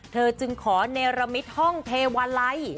เธอจึงขอเนรมิตห้องเทวาลัย